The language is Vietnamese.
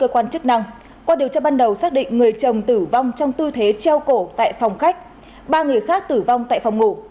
qua điều tra ban đầu xác định người chồng tử vong trong tư thế treo cổ tại phòng khách ba người khác tử vong tại phòng ngủ